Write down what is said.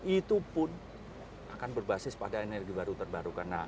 itu pun akan berbasis pada energi baru terbarukan